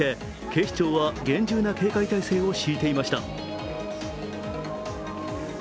警視庁は厳重な警戒態勢を敷いていました。